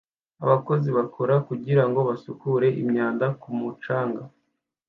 Abakozi bakora kugirango basukure imyanda ku mucanga